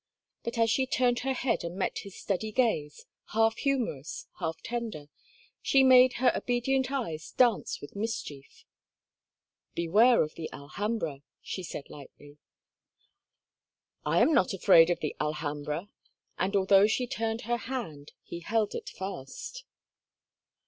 But as she turned her head and met his steady gaze, half humorous, half tender, she made her obedient eyes dance with mischief. "Beware of the Alhambra," she said, lightly. "I am not afraid of the Alhambra," and although she turned her hand he held it fast.